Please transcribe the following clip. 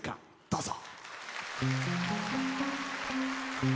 どうぞ。